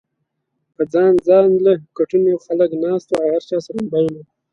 پۀ ځان ځانله کټونو خلک ناست وو او هر چا سره موبايل ؤ